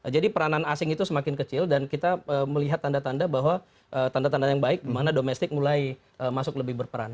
jadi peranan asing itu semakin kecil dan kita melihat tanda tanda bahwa tanda tanda yang baik dimana domestik mulai masuk lebih berperan